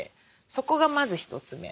そこがまず１つ目。